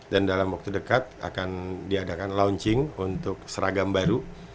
dan dalam waktu dekat akan diadakan launching untuk seragam baru